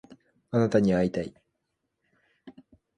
あなたに会いたい